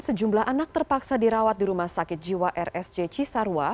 sejumlah anak terpaksa dirawat di rumah sakit jiwa rsj cisarwa